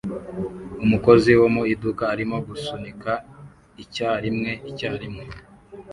Umukozi wo mu iduka arimo gusunika icyarimwe icyarimwe